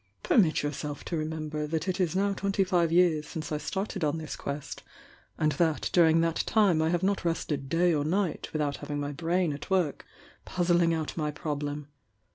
Permit yourself to remember that it is now twenty five years since I started on this quest, and that during that time I have not rested day or night without having my brain at work, puz zling out my problem.